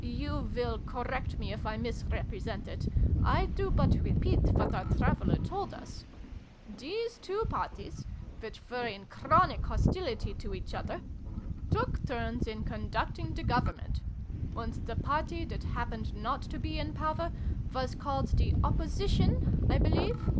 (You will correct me if I misrepresent it. I do but repeat what our traveler told us.) These two Parties which were in chronic hostility 200 SYLVIE AND BRUNO CONCLUDED. to each other took turns in conducting the Government ; and the Party, that happened not to be in power, was called the ' Opposition', I believe